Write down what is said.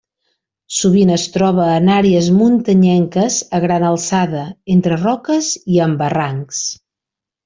Sovint es troba en àrees muntanyenques a gran alçada, entre roques i en barrancs.